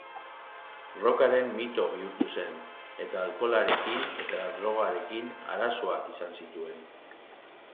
Rockaren mito bihurtu zen, eta alkoholarekin eta drogarekin arazoak izan zituen.